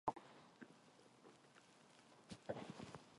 마음은 급하고 불길은 달지 않아 채 익지도 않은 것을